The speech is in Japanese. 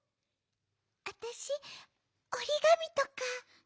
あたしおりがみとか。